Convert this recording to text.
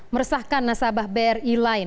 meresahkan nasabah bri lain